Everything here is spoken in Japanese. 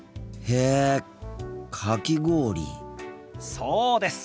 そうです。